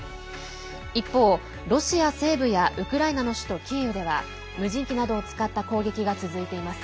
一方、ロシア西部やウクライナの首都キーウでは無人機などを使った攻撃が続いています。